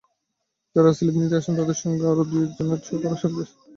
যাঁরা স্লিপ নিতে আসেন তাঁদের সঙ্গে আরও দু-একজন করে সঙ্গী আসেন।